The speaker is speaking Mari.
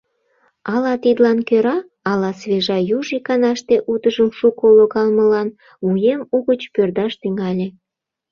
Ала тидлан кӧра, ала свежа юж иканаште утыжым шуко логалмылан вуем угыч пӧрдаш тӱҥале.